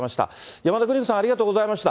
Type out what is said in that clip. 山田邦子さん、ありがとうございました。